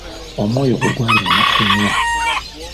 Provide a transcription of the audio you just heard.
Omwoyo gwe gwali munafu nnyo.